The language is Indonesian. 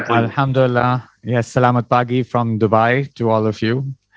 alhamdulillah yes selamat pagi from dubai to all of you